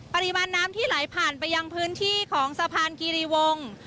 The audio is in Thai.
ปริมาณน้ำที่ไหลผ่านไปยังพื้นที่ของสะพานคีรีวง